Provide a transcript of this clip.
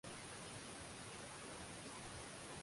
inatambulisha maoni ya wasikilizaji katika mada inayozungumzwa